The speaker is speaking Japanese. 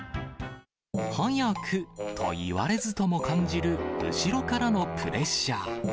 はやくと言われずとも感じる後ろからのプレッシャー。